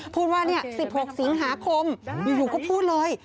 พูดว่า๑๖สิงหาคมอยู่ก็พูดเลย